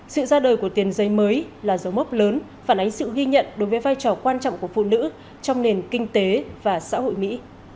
sự ra đời của tiền giấy mới là dấu mốc lớn phản ánh sự ghi nhận đối với vai trò quan trọng của phụ nữ trong nền kinh tế và xã hội mỹ